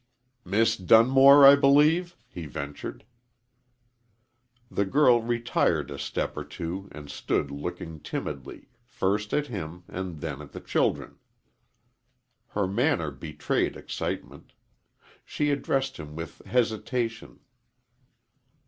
"Miss Dunmore, I believe?" he ventured. The girl retired a step or two and stood looking timidly, first at him and then at the children. Her manner betrayed excitement. She addressed him with hesitation.